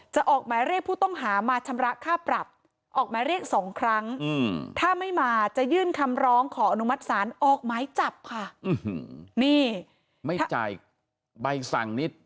จะออกหมายเรียกผู้ต้องหามาชำระค่าปรับออกหมายเรียก๒ครั้งถ้าไม่มาจะยื่นคำร้องขออนุมัติศาลออกหมายจับค่ะ